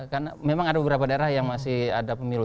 karena memang ada beberapa daerah yang masih ada pemilu